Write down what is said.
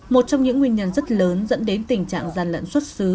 một trong những nguyên nhân rất lớn dẫn đến tình trạng gian lận xuất xứ